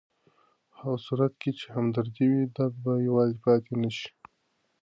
په هغه صورت کې چې همدردي وي، درد به یوازې پاتې نه شي.